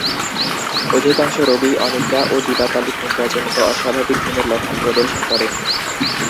অধিকাংশ রোগীই অনিদ্রা ও দিবাকালীন নিদ্রাজনিত অস্বাভাবিক ঘুমের লক্ষণ প্রদর্শন করে।